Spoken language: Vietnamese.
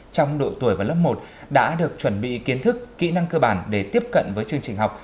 trong độ tuổi và lớp một đã được chuẩn bị kiến thức kỹ năng cơ bản để tiếp cận với chương trình học